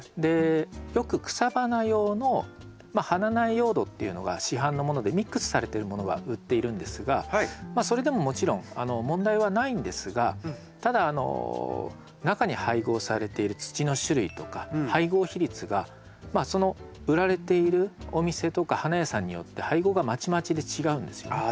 よく草花用のまあ花苗用土っていうのが市販のものでミックスされてるものが売っているんですがそれでももちろん問題はないんですがただ中に配合されている土の種類とか配合比率がその売られているお店とか花屋さんによって配合がまちまちで違うんですよ。